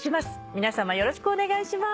皆さまよろしくお願いします。